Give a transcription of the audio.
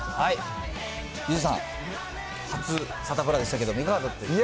ユージさん、初サタプラでしたけど、いかがだったでしょうか。